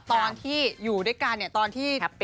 ตอนที่อยู่ด้วยกันเนี่ยตอนที่